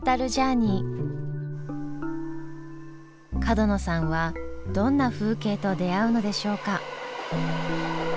角野さんはどんな風景と出会うのでしょうか。